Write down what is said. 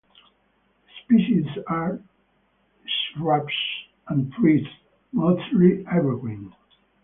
The species are shrubs and trees, mostly evergreen.